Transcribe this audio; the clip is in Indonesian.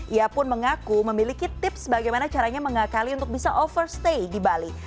ia pun mengaku memiliki tips bagaimana caranya mengakali untuk bisa overstay di bali